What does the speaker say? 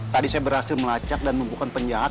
tadi saya berhasil melacak dan membukukan penjahat